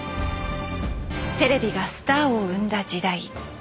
テレビがスターを生んだ時代。